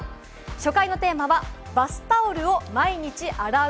初回のテーマは、バスタオルを毎日洗う？